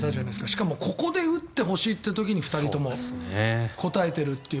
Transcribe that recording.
しかもここで打ってほしいっていう時に２人とも応えているっていう。